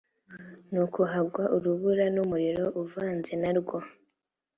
nuko hagwa urubura n’umuriro uvanze na rwo